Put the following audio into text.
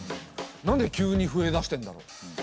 なんで急に増えだしてんだろう？